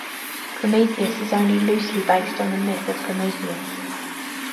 "Prometheus" is only loosely based on the myth of Prometheus.